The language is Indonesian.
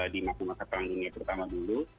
di masa masa perang dunia terutama dulu